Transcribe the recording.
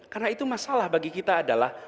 karena itu masalah bagi kita adalah